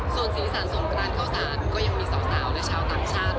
ส่วนสีสันสงกรานเข้าสารก็ยังมีสาวและชาวต่างชาติ